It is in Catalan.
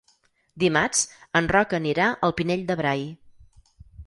Dimarts en Roc anirà al Pinell de Brai.